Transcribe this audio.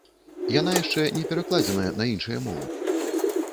Яна яшчэ не перакладзеная на іншыя мовы.